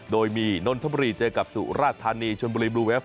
โดยมีนนทบุรีเจอกับสุราธานีชนบุรีบลูเวฟ